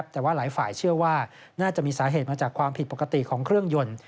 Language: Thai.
แต่ว่าหลายฝ่ายเชื่อว่าน่าจะมีสาเหตุมาจากความผิดปกติของเครื่องยนต์